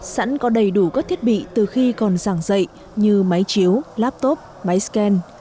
sẵn có đầy đủ các thiết bị từ khi còn giảng dạy như máy chiếu laptop máy scan